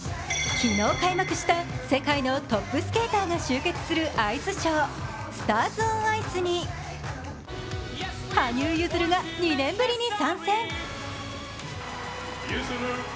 昨日、開幕した世界のトップスケーターが集結するアイスショー、「スターズ・オン・アイス」に羽生結弦が２年ぶりに参戦。